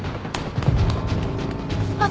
あっ。